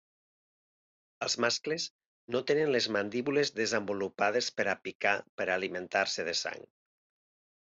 Els mascles no tenen les mandíbules desenvolupades per a picar per a alimentar-se de sang.